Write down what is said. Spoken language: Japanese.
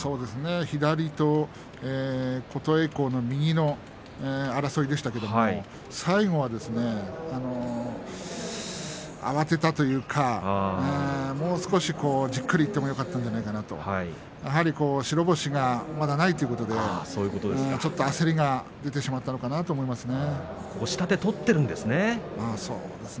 左と、琴恵光の右の争いでしたけれども最後はですね、慌てたというかもう少し、じっくりいってもよかったんじゃないかなとやはり白星がまだないということで、ちょっと焦りが出てしまったのかなと思いますね。